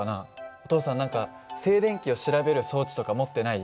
お父さん何か静電気を調べる装置とか持ってない？